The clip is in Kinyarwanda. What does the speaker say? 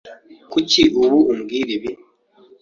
Kuki ubu umbwira ibi?